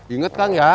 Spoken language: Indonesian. ingat kang ya